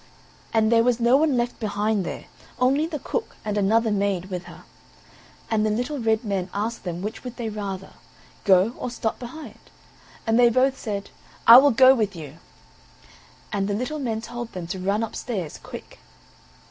And there was no one left behind there only the cook and another maid with her; and the little red men asked them which would they rather go, or stop behind? and they both said: "I will go with you;" and the little men told them to run upstairs quick.